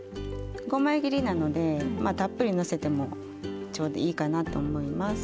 ５枚切りなのでまあたっぷりのせてもちょうどいいかなと思います。